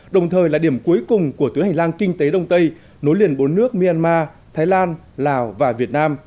đồng thời là điểm cuối cùng của tuyến hành lang kinh tế đông tây nối liền bốn nước myanmar thái lan lào và việt nam